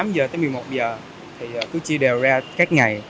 tám giờ tới một mươi một giờ thì cứ chia đều ra các ngày